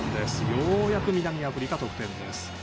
ようやく南アフリカ、得点です。